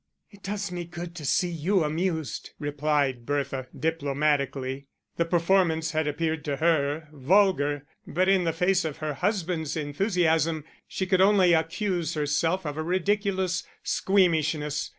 "It does me good to see you amused," replied Bertha, diplomatically. The performance had appeared to her vulgar, but in the face of her husband's enthusiasm she could only accuse herself of a ridiculous squeamishness.